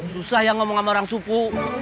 susah ya ngomong sama orang suku